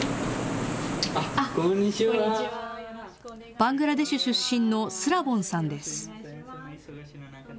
バングラデシュ出身のスラボンさんです。